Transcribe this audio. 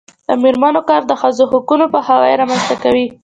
د میرمنو کار د ښځو حقونو پوهاوی رامنځته کوي.